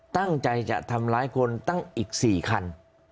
ตั้งใจจะทำร้ายคนตั้งอีก๔คัน